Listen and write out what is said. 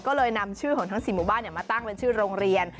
ก็เลยนำชื่อของทั้ง๔หมู่บ้านมาตั้งเป็นชื่อโรงเรียน